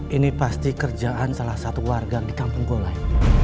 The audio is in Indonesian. ini pasti kerjaan salah satu warga di kampung golai